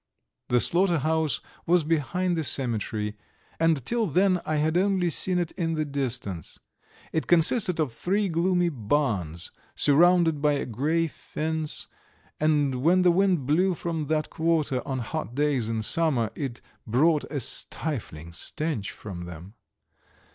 The slaughter house was behind the cemetery, and till then I had only seen it in the distance. It consisted of three gloomy barns, surrounded by a grey fence, and when the wind blew from that quarter on hot days in summer, it brought a stifling stench from them.